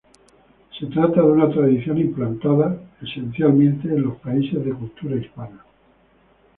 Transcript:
Se trata de una tradición implantada, esencialmente, en los países de cultura hispana.